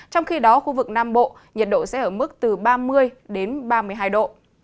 trong khi đó khu vực nam bộ nhiệt độ sẽ ở mức từ ba mươi đến ba mươi hai độ